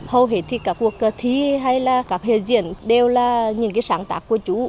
hầu hết thì cả cuộc thi hay là các hệ diễn đều là những cái sáng tác của chủ